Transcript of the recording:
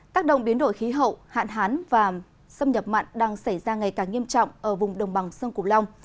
tác động biến đổi khí hậu hạn hán và xâm nhập mặn đang xảy ra ngày càng nghiêm trọng ở vùng đồng bằng sông cổ long